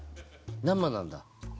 生なんだ。